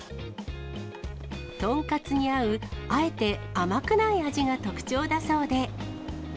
とんかつに合う、あえて甘くない味が特徴だそうで。